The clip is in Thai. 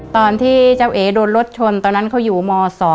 ตอนที่เจ้าเอ๋โดนรถชนตอนนั้นเขาอยู่ม๒